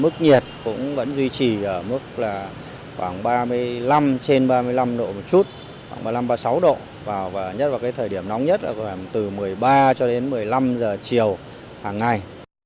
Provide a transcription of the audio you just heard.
cho đến một mươi năm giờ chiều hàng ngày